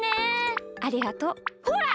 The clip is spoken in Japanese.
ありがとう。ほら！